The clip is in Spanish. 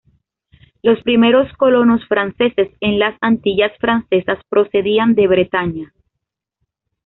Los primeros colonos franceses en las Antillas francesas procedían de Bretaña.